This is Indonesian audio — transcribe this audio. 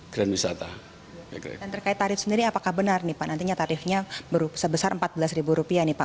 grand wisata dan terkait tarif sendiri apakah benar nih pak nantinya tarifnya sebesar rp empat belas nih pak